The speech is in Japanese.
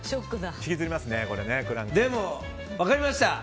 でも、分かりました。